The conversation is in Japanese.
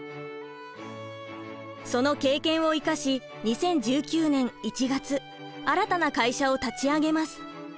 その経験を生かし２０１９年１月新たな会社を立ち上げます。